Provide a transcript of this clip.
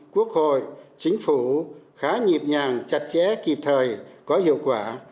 đảm bảo chính phủ khá nhịp nhàng chặt chẽ kịp thời có hiệu quả